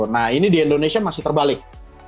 nah ini di indonesia masih terbalik